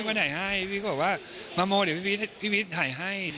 ไม่มีคนถ่ายให้พี่พีชก็บอกว่ามาโมเดี๋ยวพี่พีชถ่ายให้